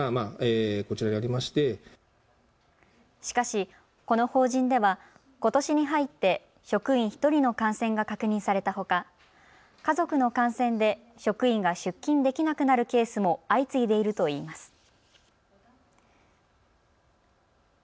しかし、この法人ではことしに入って職員１人の感染が確認されたほか家族の感染で職員が出勤できなくなるケースも相次いでいるといいます。